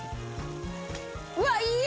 うわっいいね！